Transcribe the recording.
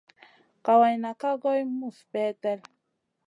Kawayna ka goy muzi peldet.